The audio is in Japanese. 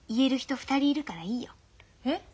２人いるからいいよ。え？